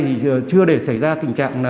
thì chưa để xảy ra tình trạng